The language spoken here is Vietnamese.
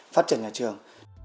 phát triển nhà trường